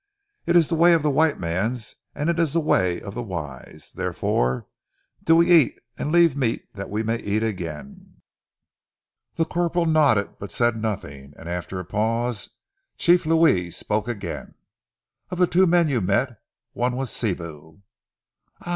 "It is ze way of ze white mans, and it is ze way of ze wise, therefore do we eat and leave meat that we may eat again." The corporal nodded, but said nothing, and after a pause Chief Louis spoke again. "Of ze two men you met, one was Sibou." "Ah!